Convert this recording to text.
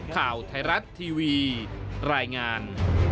ข่าวไทยรัฐทีวีรายงาน